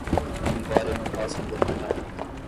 Embora eu não possa me levantar